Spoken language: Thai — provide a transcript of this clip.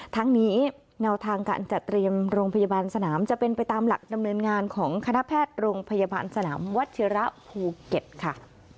ทั้งนี้แนวทางการจัดเตรียมโรงพยาบาลสนามจะเป็นไปตามหลักดำเนินงานของคณะแพทย์โรงพยาบาลสนามวัชิระภูเก็ตค่ะ